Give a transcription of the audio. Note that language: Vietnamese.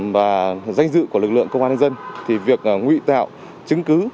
và danh dự của lực lượng công an dân thì việc ngụy tạo chứng cứ